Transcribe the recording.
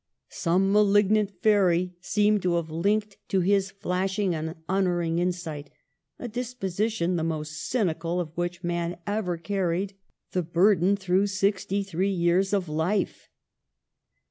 85 Some malignant fairy seemed to have linked to his flashing and unerring insight a disposition the most cynical of which man ever carried the bur den through sixty three years of life.